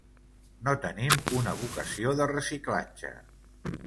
No tenim una vocació de reciclatge.